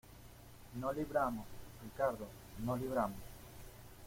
no libramos, Ricardo. ¡ no libramos!